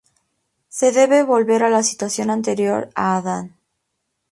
Se debe volver a la situación anterior a Adán.